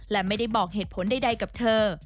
และไม่ได้บอกเหตุผลใดกับเธอ